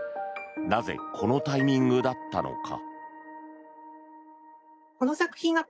なぜこのタイミングだったのか。